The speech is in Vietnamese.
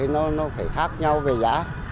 nó phải khác nhau về giá